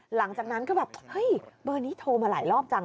หลังจากนั้นก็แบบเฮ้ยเบอร์นี้โทรมาหลายรอบจัง